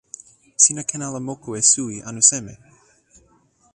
sina ken ala moku e suwi anu seme?